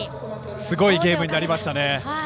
すごいゲームになりましたね。